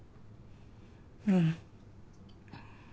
うん。